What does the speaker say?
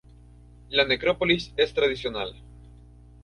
La necrópolis es tradicional.